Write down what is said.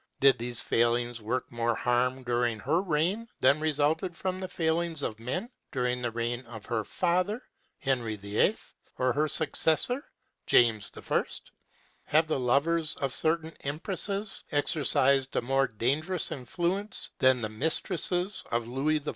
Did these failings work more harm during her reign than resulted from the failings of men during the reign of her father, Henry VIII., or her successor, James I.? Have the lovers of certain empresses exercised a more dangerous influence than the mistresses of Louis XIV.